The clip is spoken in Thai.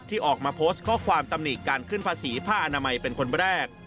ออกมาโพสต์ข้อความตำหนิการขึ้นภาษีผ้าอนามัยเป็นคนแรก